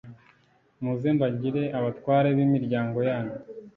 muze mbagire abatware b’imiryango yanyu